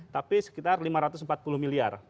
tapi sekitar lima ratus empat puluh miliar